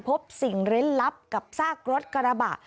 พบสิ่งเล่นลับกับซากรถกระบะ